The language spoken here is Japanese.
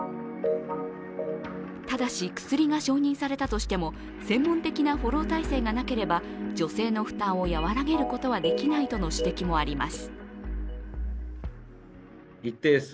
ただし薬が承認されたとしても専門的なフォロー体制がなければ女性の負担を和らげることはできないとの指摘もあります。